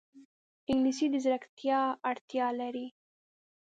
انګلیسي د ځیرکتیا اړتیا لري